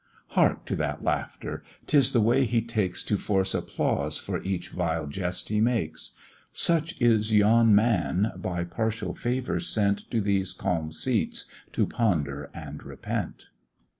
Hark to that laughter! 'tis the way he takes To force applause for each vile jest he makes; Such is yon man, by partial favour sent To these calm seats to ponder and repent.